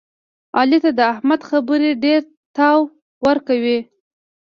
علي ته د احمد خبرې ډېرتاو ورکوي.